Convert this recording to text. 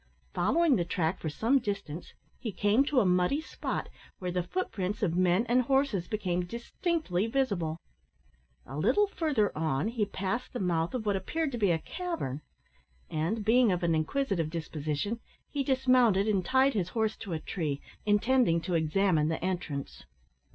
Following the track for some distance, he came to a muddy spot, where the footprints of men and horses became distinctly visible. A little further on he passed the mouth of what appeared to be a cavern, and, being of an inquisitive disposition, he dismounted and tied his horse to a tree, intending to examine the entrance.